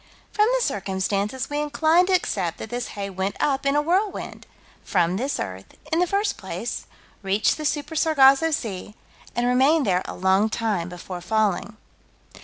From the circumstances we incline to accept that this hay went up, in a whirlwind, from this earth, in the first place, reached the Super Sargasso Sea, and remained there a long time before falling.